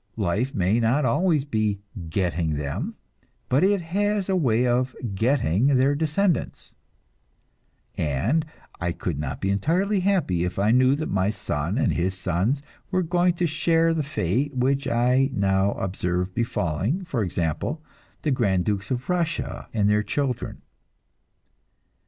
Life may not always be "getting" them, but it has a way of "getting" their descendants, and I could not be entirely happy if I knew that my son and his sons were going to share the fate which I now observe befalling, for example, the grand dukes of Russia and their children.